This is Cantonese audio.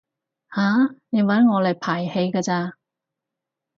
吓？你搵我嚟排戲㗎咋？